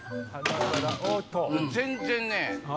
全然ね。